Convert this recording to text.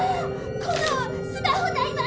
このスマホ代は！